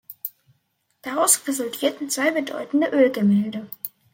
Daraus resultierten zwei bedeutende Ölgemälde.